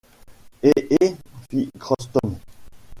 Eh ! eh ! fit Crockston.